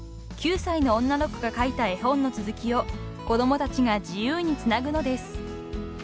［９歳の女の子が書いた絵本の続きを子供たちが自由につなぐのです］